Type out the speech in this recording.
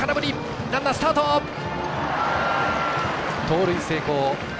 盗塁成功。